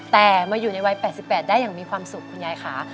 แต่มาอยู่ในวัย๘๘ได้อย่างมีความสุขคุณยายค่ะ